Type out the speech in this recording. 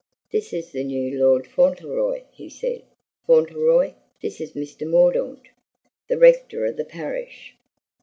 "This is the new Lord Fauntleroy," he said. "Fauntleroy, this is Mr. Mordaunt, the rector of the parish."